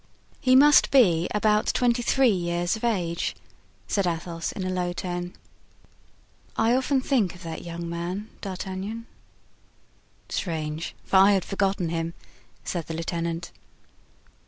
"He must be about twenty three years of age," said Athos, in a low tone. "I often think of that young man, D'Artagnan." "Strange! for I had forgotten him," said the lieutenant.